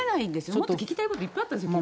もっと聞きたいこと、いっぱいあったですもん。